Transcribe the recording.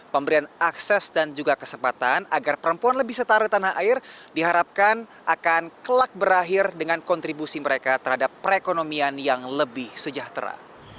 pemberian akses dan juga kesempatan agar perempuan lebih setara di tanah air diharapkan akan kelak berakhir dengan kontribusi mereka terhadap perekonomian yang lebih sejahtera